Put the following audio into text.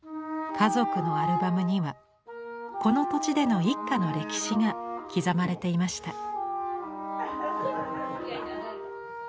家族のアルバムにはこの土地での一家の歴史が刻まれていました。